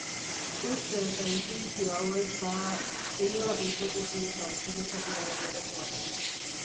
Uste eta intuizio hau ez da... inolako hipotesi hutsa Filosofiaren eremuan.